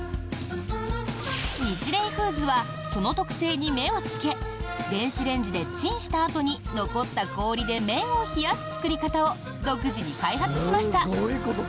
ニチレイフーズはその特性に目をつけ電子レンジでチンしたあとに残った氷で麺を冷やす作り方を独自に開発しました。